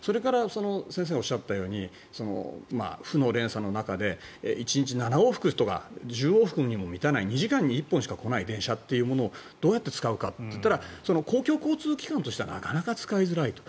先生がおっしゃったように負の連鎖の中で１日７往復とか１０往復にも満たない２時間に１本しか来ない電車をどうやって使うかと言ったら公共交通機関としてはなかなか使いづらいと。